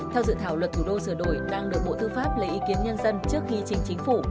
theo dự thảo luật thủ đô sửa đổi đang được bộ tư pháp lấy ý kiến nhân dân trước khi trình chính phủ